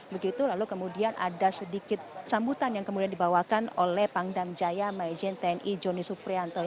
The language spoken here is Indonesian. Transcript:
begitu lalu kemudian ada sedikit sambutan yang kemudian dibawakan oleh pangdam jaya maijen tni joni suprianto